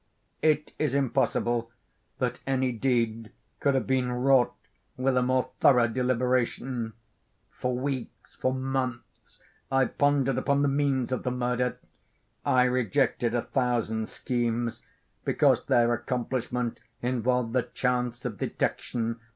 It is impossible that any deed could have been wrought with a more thorough deliberation. For weeks, for months, I pondered upon the means of the murder. I rejected a thousand schemes, because their accomplishment involved a chance of detection.